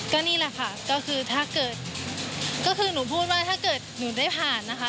ก็นี่แหละค่ะถ้าเกิดถ้าเกิดหนูได้ผ่านนะคะ